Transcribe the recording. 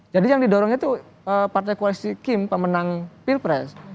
jadi yang didorong itu partai kualisi kim pemenang pilpres